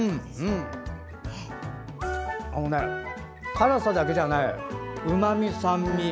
辛さだけじゃないうまみ、酸味。